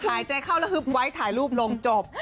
หายใจเข้าแล้วฮึบไว้ถ่ายรูปลงจบ